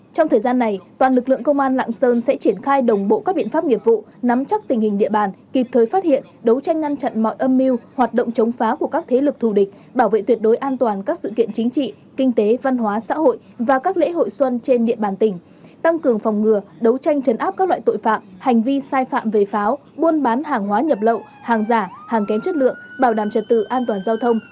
trong thời gian này toàn lực lượng công an lạng sơn sẽ triển khai đồng bộ các biện pháp nghiệp vụ nắm chắc tình hình địa bàn kịp thời phát hiện đấu tranh ngăn chặn mọi âm mưu hoạt động chống phá của các thế lực thù địch bảo vệ tuyệt đối an toàn các sự kiện chính trị kinh tế văn hóa xã hội và các lễ hội xuân trên địa bàn tỉnh tăng cường phòng ngừa đấu tranh trấn áp các loại tội phạm hành vi sai phạm về pháo buôn bán hàng hóa nhập lậu hàng giả hàng kém chất lượng bảo đảm trật tự an to